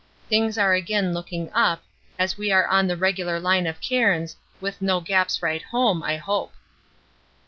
Things are again looking up, as we are on the regular line of cairns, with no gaps right home, I hope.